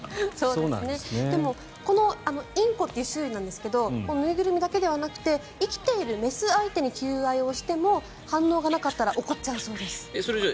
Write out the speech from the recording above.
でもこのインコという種類なんですが縫いぐるみだけではなくて生きている雌相手に求愛をしても反応がなかったら怒っちゃうそうです。